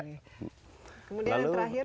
kemudian yang terakhir